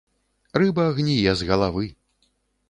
Рыба гніе з галавы.